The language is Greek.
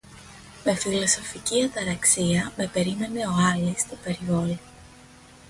Με φιλοσοφική αταραξία με περίμενε ο Άλης στο περιβόλι